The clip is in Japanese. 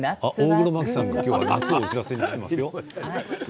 大黒摩季さんが夏をお知らせに来ますよ。